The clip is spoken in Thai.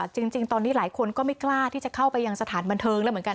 จริงตอนนี้หลายคนก็ไม่กล้าที่จะเข้าไปยังสถานบันเทิงแล้วเหมือนกัน